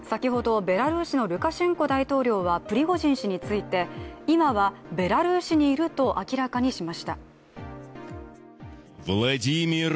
先ほど、ベラルーシのルカシェンコ大統領はプリゴジン氏について今は、ベラルーシにいると明らかにしました。